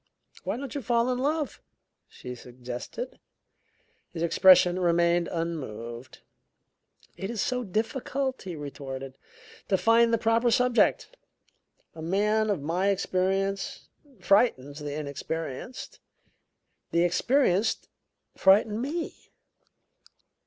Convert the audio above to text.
"Why don't you fall in love?" she suggested. His expression remained unmoved. "It is so difficult," he retorted, "to find the proper subject. A man of my experience frightens the inexperienced: the experienced frighten me."